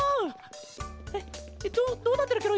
えっどうどうなってるケロ？